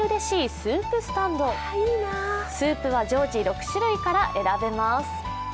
スープは常時６種類から選べます。